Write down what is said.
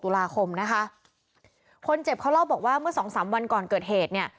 ตุลาคมนะคะคนเจ็บเขาเล่าบอกว่าเมื่อสองสามวันก่อนเกิดเหตุเนี่ย